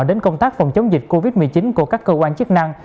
đến công tác phòng chống dịch covid một mươi chín của các cơ quan chức năng